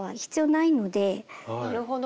なるほど。